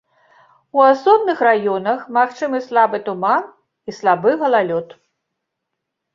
У асобных раёнах магчымы слабы туман і слабы галалёд.